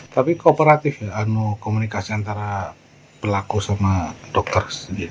tapi kooperatif ya anu komunikasi antara pelaku sama dokter